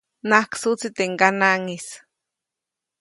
Najksuʼtsi teʼ ŋganaŋʼis.